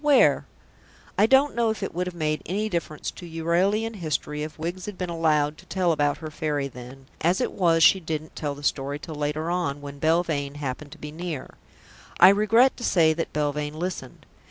Where?" I don't know if it would have made any difference to Euralian history if Wiggs had been allowed to tell about her Fairy then; as it was, she didn't tell the story till later on, when Belvane happened to be near. I regret to say that Belvane listened.